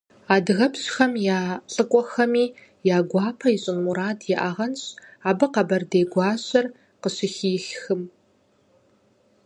Адыгэпщхэм я лӀыкӀуэхэми я гуапэ ищӀын мурад иӀагъэнщ абы къэбэрдей гуащэр къыщыхихым.